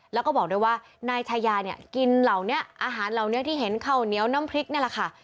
แล้วก็บอกด้วยว่านายชายาเนี่ยกินเหล่านี้อาหารเหล่านี้ที่เห็นข้าวเหนียวน้ำพริกนี่แหละค่ะ